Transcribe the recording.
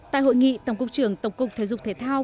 tại hội nghị tổng cục trưởng tổng cục thể dục thể thao